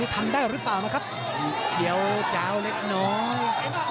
ทำได้หรือเปล่านะครับเดี๋ยวจะเอาเล็กน้อย